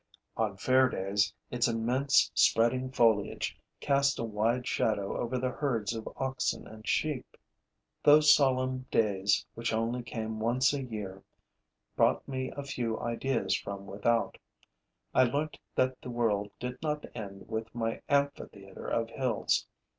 On fair days, its immense, spreading foliage cast a wide shadow over the herds of oxen and sheep. Those solemn days, which only came once a year, brought me a few ideas from without: I learnt that the world did not end with my amphitheater of hills.